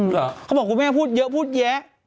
เค้าบอกว่ากูไม่ไหว้พูดเยอะพูดแย๊ะ